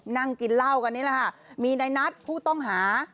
นั่งกินเหล้ากันนี่แหละค่ะมีในนัดผู้ต้องหา